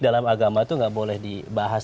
dalam agama itu nggak boleh dibahas